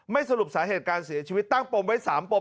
สรุปสาเหตุการเสียชีวิตตั้งปมไว้๓ปม